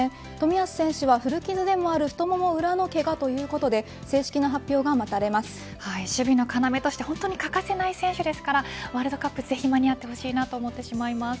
冨安選手は古傷でもある太もも裏のけがということで守備の要として本当に欠かせない選手ですからワールドカップにぜひ間に合ってほしいなと思ってしまいます。